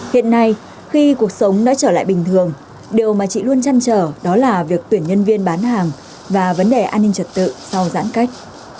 hiện nay khi cuộc sống đã trở lại bình thường điều mà chị luôn chăn trở đó là việc tuyển nhân viên bán hàng và vấn đề an ninh trật tự sau giãn cách